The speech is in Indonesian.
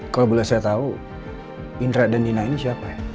kalau boleh saya tahu indra dan nina ini siapa ya